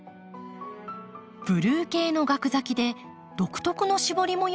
ブルー系のガク咲きで独特の絞り模様が入った花。